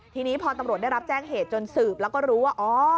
ทีนี้พอตำรวจได้รับแจ้งเหตุจนสืบแล้วก็รู้ว่า